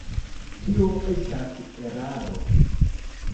Tio estas eraro.